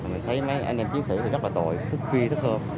mình thấy mấy anh em chiến sĩ rất là tội thức khuya thức khơ